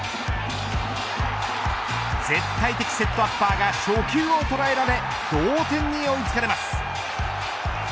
絶対的セットアッパーが初球を捉えられ同点に追いつかれます。